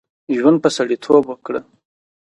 ژوند په سړیتوب وکړه.